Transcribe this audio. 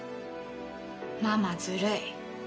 ママずるい。